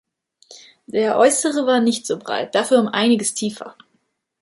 Der äußere war nicht so breit, dafür um einiges tiefer.